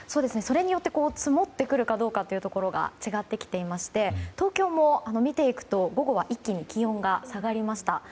それによって積もってくるかどうかというのが違ってきまして東京も見ていくと午後は一気に気温が下がりました。